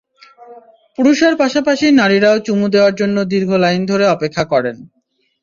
পুরুষের পাশাপাশি নারীরাও চুমু দেওয়ার জন্য দীর্ঘ লাইন ধরে অপেক্ষা করেন।